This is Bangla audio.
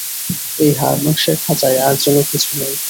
এই হাড়মাসের খাঁচায় আর যেন কিছু নেই।